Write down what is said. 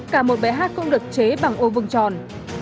cả một bài hát cũng được chế bằng ô vừng tròn